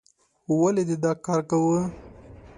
ولې دې دا کار کوو؟